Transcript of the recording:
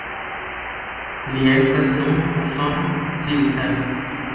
Li estas nun usona civitano.